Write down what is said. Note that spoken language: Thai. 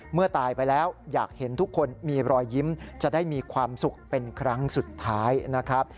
ตายไปแล้วอยากเห็นทุกคนมีรอยยิ้มจะได้มีความสุขเป็นครั้งสุดท้ายนะครับ